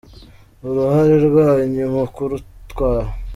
Uruhare rwanyu mu kurutwara